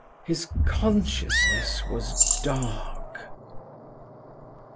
His consciousness was dark.